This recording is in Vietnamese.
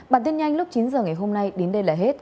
bản tin nhanh lúc chín h ngày hôm nay đến đây là hết